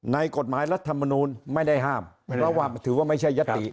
ในกฎหมายรัฐมนูลไม่ได้ห้ามไม่ได้ห้ามเราว่าถือว่าไม่ใช่ยัตติ